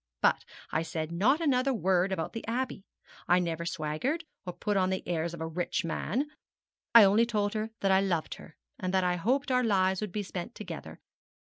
But I said not another word about the Abbey. I never swaggered or put on the airs of a rich man; I only told her that I loved her, and that I hoped our lives would be spent together.